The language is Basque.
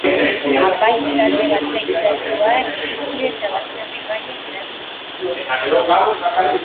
Apaiz talde batek gidatua, erlijioa eta baserri gaiak erabili zituen.